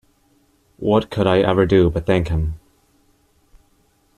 What could I ever do but thank him!